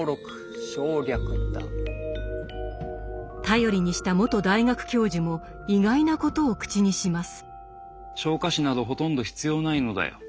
頼りにした元大学教授も意外なことを口にします。